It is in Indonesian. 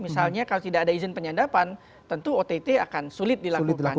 misalnya kalau tidak ada izin penyadapan tentu ott akan sulit dilakukan